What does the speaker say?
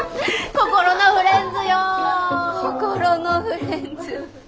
「心のフレンズ」。